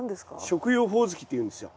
食用ホオズキっていうんですよ。